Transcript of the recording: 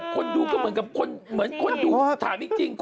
คนดูก็เหมือนคนดูถามจริง